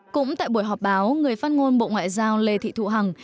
cũng tại buổi họp báo người phát ngôn bộ ngoại giao lê thị thu hằng